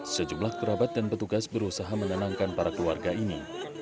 sejumlah kerabat dan petugas berusaha menenangkan para keluarga ini